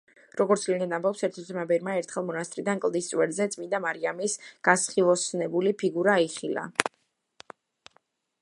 როგორც ლეგენდა ამბობს, ერთ-ერთმა ბერმა ერთხელ მონასტრიდან კლდის წვერზე წმინდა მარიამის გასხივოსნებული ფიგურა იხილა.